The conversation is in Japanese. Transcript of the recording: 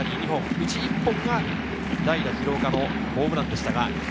うち１本が代打・廣岡のホームランでした。